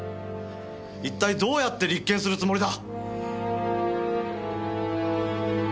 一体どうやって立件するつもりだ？